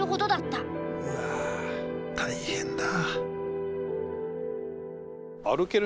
うわ大変だ。